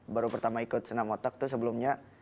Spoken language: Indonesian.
baru pertama ikut senam otak tuh sebelumnya